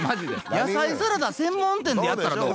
野菜サラダ専門店でやったらどう？